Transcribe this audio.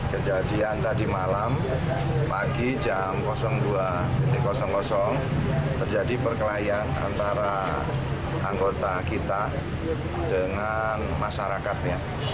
kejadian tadi malam pagi jam dua terjadi perkelahian antara anggota kita dengan masyarakatnya